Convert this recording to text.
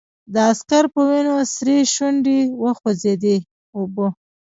د عسکر په وينو سرې شونډې وخوځېدې: اوبه!